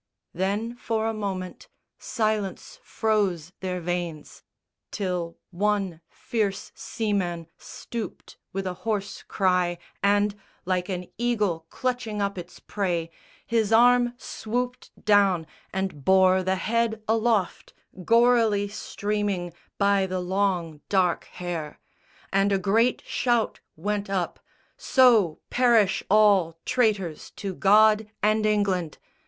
Then, for a moment, silence froze their veins, Till one fierce seamen stooped with a hoarse cry; And, like an eagle clutching up its prey, His arm swooped down and bore the head aloft, Gorily streaming, by the long dark hair; And a great shout went up, "So perish all Traitors to God and England."